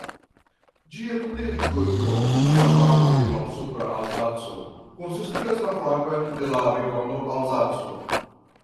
Ĝia kuniĝo kun la flago de Malsupra-Alzaco konsistigas la flagon de la regiono Alzaco.